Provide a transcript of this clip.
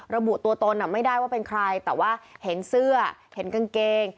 ระบุตัวตนไม่ได้ว่าเป็นใครแต่ว่าเห็นเสื้อเห็นกางเกง